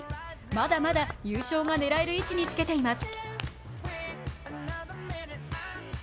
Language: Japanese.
まだまだ優勝が狙える位置につけています。